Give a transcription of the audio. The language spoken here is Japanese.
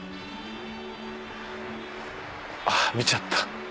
あっ見ちゃった。